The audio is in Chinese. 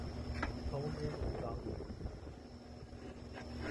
丛枝土当归